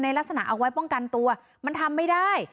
ลักษณะเอาไว้ป้องกันตัวมันทำไม่ได้